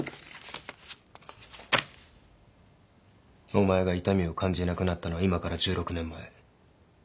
お前が痛みを感じなくなったのは今から１６年前。